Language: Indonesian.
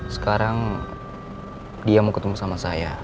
sekarang dia mau ketemu sama saya